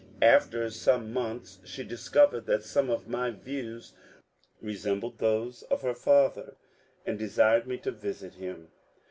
After some months she discovered that some of my views resembled those of her father, and desired me to visit him.